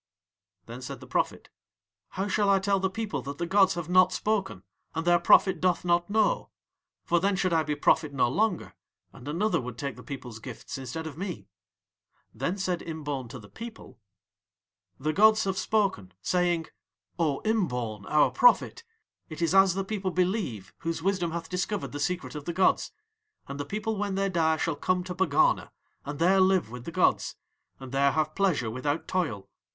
Then said the prophet: "How shall I tell the people that the gods have not spoken and their prophet doth not know? For then should I be prophet no longer, and another would take the people's gifts instead of me." Then said Imbaun to the people: "The gods have spoken, saying: 'O Imbaun, Our prophet, it is as the people believe whose wisdom hath discovered the secret of the gods, and the people when they die shall come to Pegana, and there live with the gods, and there have pleasure without toil.